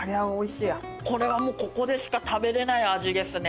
これはここでしか食べれない味ですね。